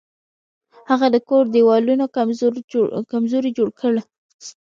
هغه د کور دیوالونه کمزوري جوړ کړل.